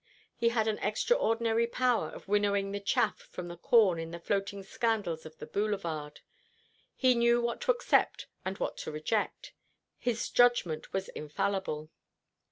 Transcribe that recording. He had an extraordinary power of winnowing the chaff from the corn in the floating scandals of the Boulevard. He knew what to accept and what to reject. His judgment was infallible.